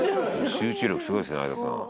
「集中力すごいですね相田さん」